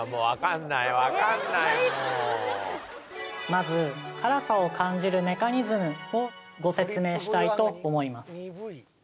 まず辛さを感じるメカニズムをご説明したいと思います